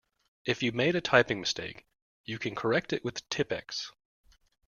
If you've made a typing mistake you can correct it with Tippex